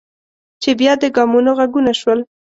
چې بیا د ګامونو غږونه شول.